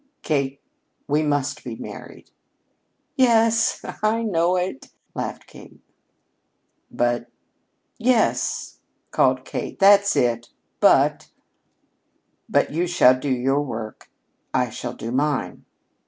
"Kate, we must be married." "Yes," laughed Kate. "I know it." "But " "Yes," called Kate, "that's it. But " "But you shall do your work: I shall do mine."